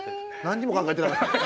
何にも考えてなかった？